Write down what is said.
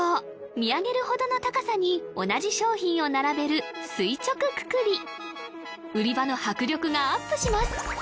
見上げるほどの高さに同じ商品を並べる垂直くくり売り場の迫力がアップします